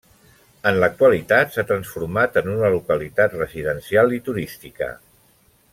En l'actualitat s'ha transformat en una localitat residencial i turística.